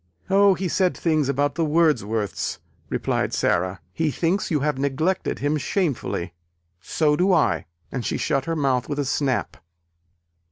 "O, he said things about the Wordsworths," replied Sara. "He thinks you have neglected him shamefully. So do I." And she shut her mouth with a snap.